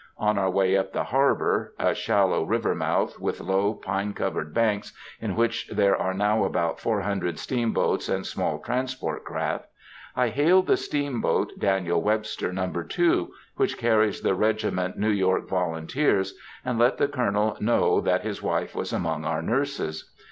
On our way up the harbor,—a shallow river mouth, with low, pine covered banks, in which there are now about four hundred steamboats and small transport craft,—I hailed the steamboat Daniel Webster No. 2, which carries the —— Regiment New York Volunteers, and let the Colonel know that his wife was among our nurses.